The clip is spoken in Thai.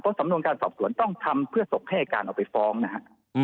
สำนวนการสอบสวนต้องทำเพื่อส่งให้อายการเอาไปฟ้องนะฮะ